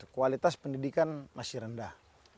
kualitas pendidikan masih rendah